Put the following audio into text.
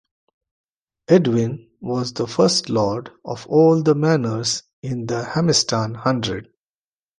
Edwin was the chief lord of all the manors in the Hamestan Hundred.